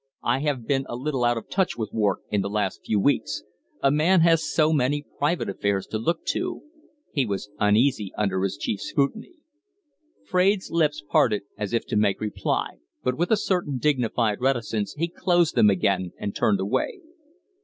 I have been a little out of touch with Wark in the last few weeks. A man has so many private affairs to look to " He was uneasy under his chief's scrutiny. Fraide's lips parted as if to make reply, but with a certain dignified reticence he closed them again and turned away.